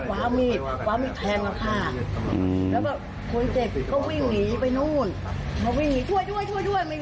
ช่วยไม่มีใครช่วยเลย